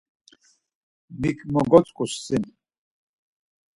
Mik mogoçku sin?